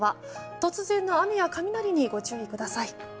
突然の雨や雷にご注意ください。